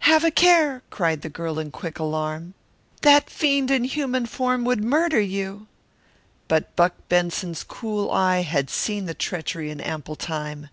"Have a care!" cried the girl in quick alarm. "That fiend in human form would murder you!" But Buck Benson's cool eye had seen the treachery in ample time.